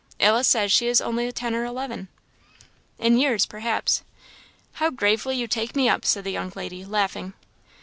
Alice says she is only ten or eleven." "In years perhaps." "How gravely you take me up!" said the young lady, laughing.